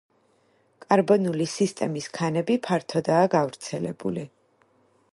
კარბონული სისტემის ქანები ფართოდაა გავრცელებული.